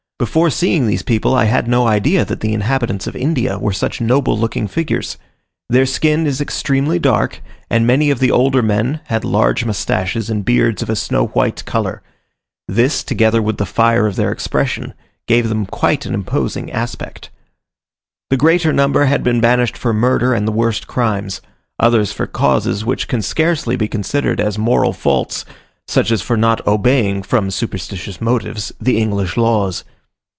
Before seeing these people, I had no idea that the inhabitants of India were such noble looking figures. Their skin is extremely dark, and many of the older men had large mustaches and beards of a snow white colour; this, together with the fire of their expression, gave them quite an imposing aspect. The greater number had been banished for murder and the worst crimes; others for causes which can scarcely be considered as moral faults, such as for not obeying, from superstitious motives, the English laws.